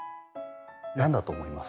何だと思います？